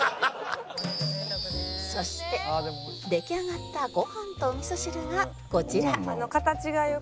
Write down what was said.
そして出来上がったご飯とお味噌汁がこちら